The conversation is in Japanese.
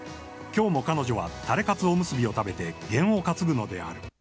今日も彼女はタレかつおむすびを食べて験を担ぐのである。